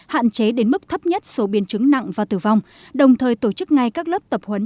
hạn chế đến mức thấp nhất số biến chứng nặng và tử vong đồng thời tổ chức ngay các lớp tập huấn